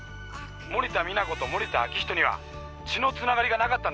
森田実那子と森田明仁には血のつながりがなかったんだ。